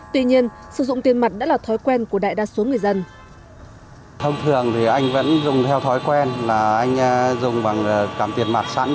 tuy nhiên sử dụng tiền mặt đã là thói quen của đại đa số người dân